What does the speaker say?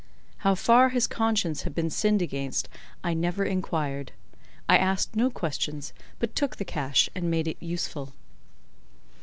How far his conscience had been sinned against, I never inquired. I asked no questions, but took the cash and made it useful.